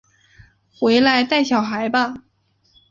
回来带小孩吧